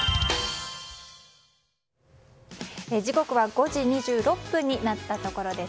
時刻は５時２６分になったところです。